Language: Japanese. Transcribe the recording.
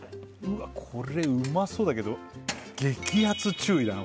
これうまそうだけど激熱注意だな